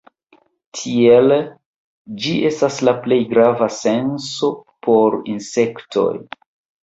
Tiele, ĝi estas la plej grava senso por insektoj.